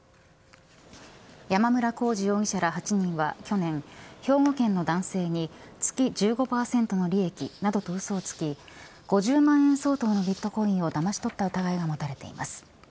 山村耕二容疑者ら８人は去年、兵庫県の男性に月１５％の利益などとうそをつき５０万円相当のビットコインをだまし取った疑いが持たれています。